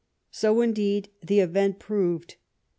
So, indeed, the event proved.